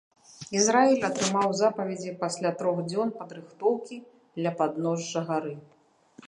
Ізраіль атрымаў запаведзі пасля трох дзён падрыхтоўкі ля падножжа гары.